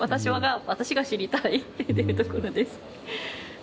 私が知りたいっていうところです。